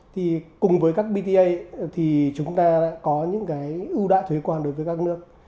thì cùng với các bta thì chúng ta có những cái ưu đãi thuế quan đối với các nước